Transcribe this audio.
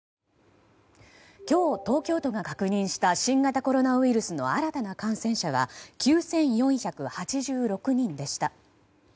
今日、東京都が確認した新型コロナウイルスの新たな感染者は９４８６人でした。